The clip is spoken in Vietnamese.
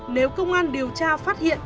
nếu công an điều tra phát hiện